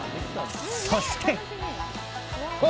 そして。